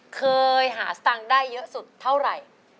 เคยหาสตังค์ได้เยอะสุดเท่าไหร่